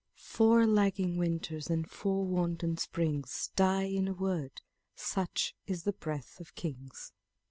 Four lagging winters and four wanton springs Die iu a word ; such is the breath of kings.